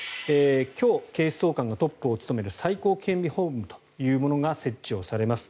今日、警視総監がトップを務める最高警備本部というものが設置されます。